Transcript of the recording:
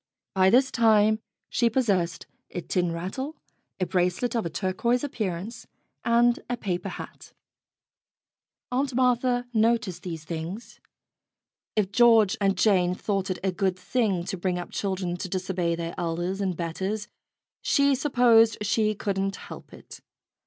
By this time she possessed a tin rattle, a bracelet of a turquoise appearance, and a paper hat. 148 STORIES WITHOUT TEARS Aunt Martha noticed these things. If George and Jane thought it a good thing to bring up children to disobey their elders and betters, she supposed she couldn't help it.